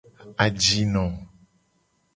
Ajino.